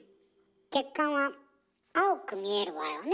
血管は青く見えるわよね。